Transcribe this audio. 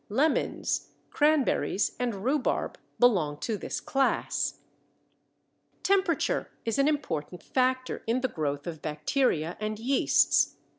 Lemons, cranberries, and rhubarb belong to this class. Temperature is an important factor in the growth of bacteria and yeasts.